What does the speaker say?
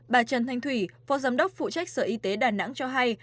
bà trần thanh thủy phó giám đốc phụ trách sở y tế đà nẵng cho hay